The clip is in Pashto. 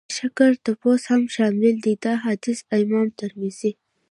د شکر تپوس هم شامل دی. دا حديث امام ترمذي